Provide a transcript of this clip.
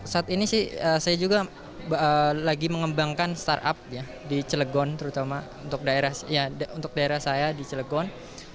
saat ini sih saya juga lagi mengembangkan startup di celegon terutama untuk daerah saya di cilegon